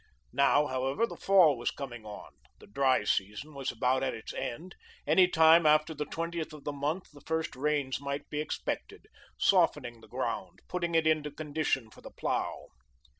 Now, however, the fall was coming on, the dry season was about at its end; any time after the twentieth of the month the first rains might be expected, softening the ground, putting it into condition for the plough.